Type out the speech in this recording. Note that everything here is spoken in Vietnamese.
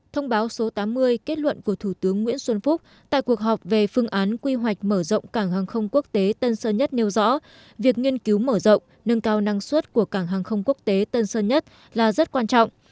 thông báo số tám mươi kết luận của thủ tướng nguyễn xuân phúc tại cuộc họp về phương án quy hoạch mở rộng cảng hàng không quốc tế tân sơn nhất nêu rõ việc nghiên cứu mở rộng nâng cao năng suất của cảng hàng không quốc tế tân sơn nhất là rất quan trọng